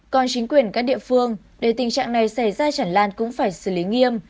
còn chính quyền các địa phương để tình trạng này xảy ra chẳng lan cũng phải xử lý nghiêm